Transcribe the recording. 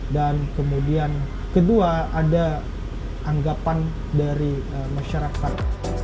dan kemudian kedua ada anggapan dari masyarakat